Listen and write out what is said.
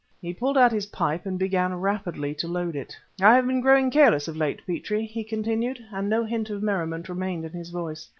He pulled out his pipe and began rapidly to load it. "I have been growing careless of late, Petrie," he continued; and no hint of merriment remained in his voice.